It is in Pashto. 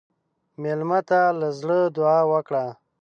مېلمه ته له زړه دعا وکړه.